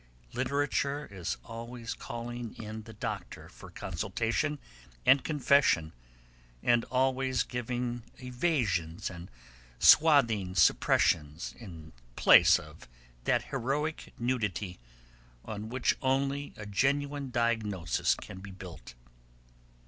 Literature is always calling in the doctor for consultation and confession, and always giving evasions and swathing suppressions in place of that 'heroic nudity,' on which only a genuine diagnosis ... can be built.